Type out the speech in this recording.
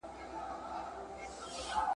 ایا ځايي کروندګر جلغوزي پروسس کوي؟